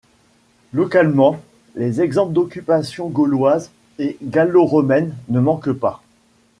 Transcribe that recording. Localement, les exemples d'occupation gauloise et gallo-romaine ne manquent pas.